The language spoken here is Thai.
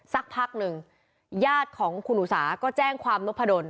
สักพักนึงยาดของคุณอุตสาห์ก็แจ้งความนบพโดน